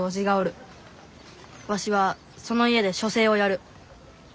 わしはその家で書生をやる。